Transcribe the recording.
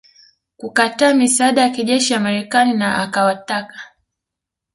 kukataa misaada ya kijeshi ya Marekani na akawataka